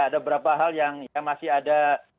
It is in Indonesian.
ada beberapa hal yang ya masih ada